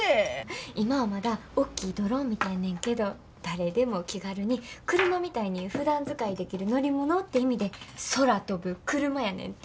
今はまだおっきいドローンみたいねんけど誰でも気軽に車みたいにふだん使いできる乗り物って意味で空飛ぶクルマやねんて。